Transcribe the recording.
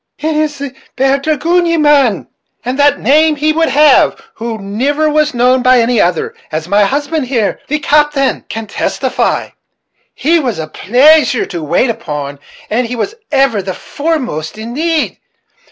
"It is the bould dragoon, ye mane? And what name would he have, who niver was known by any other, as my husband here, the captain, can testify? He was a pleasure to wait upon, and was ever the foremost in need.